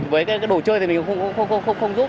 với cái đồ chơi thì mình cũng không giúp